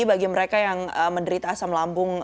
bagi mereka yang menderita asam lambung